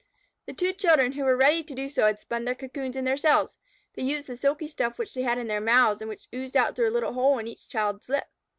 The two children who were ready to do so had spun their cocoons in their cells. They used the silky stuff which they had in their mouths, and which oozed out through a little hole in each child's lip.